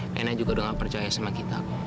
nenek juga udah gak percaya sama kita kok